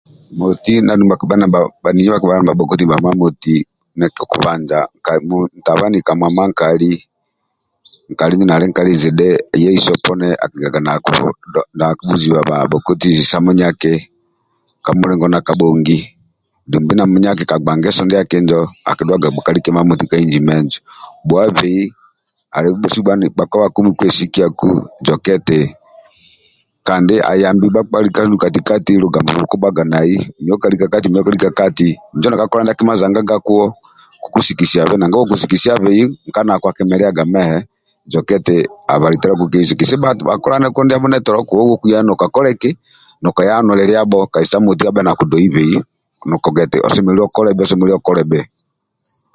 Moti ndia adu ndia adhu bhaniki nibhakibhudhuwa bhabhoti ndibhabho ndia kokubanja mutabani ka mwamma nkali nkali injo nali nkali zidhi ye iso poni akilekaga nalia kibhuziba bhabhokoti sa munyaki ka mulingo ndia kabhongi dumbi na munyaki ka gba ngeso injo akidhuaga kima moti ka inji menjo bhuabei alibe bhesu bhakpa bhakumi kwesikiaku joke eti kandi ayambi bhakpa likanu kati kati lugambo bhukukubhaga nai mio kalika kati mio kalika kati injo kakikola kima ndiaki majanganga kuwo kokusikisiabe nanga uwe kosikisiabe nkanako akimeliaga zoka eti abhali taluako keiso eti kise bhakolane kuwo ndiabho kuyo uwe okuyaku nokaya anuliliabho moti kabha nakudoibei